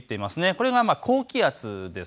これが高気圧です。